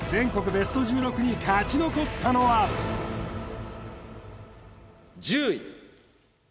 ベスト１６に勝ち残ったのは１０位。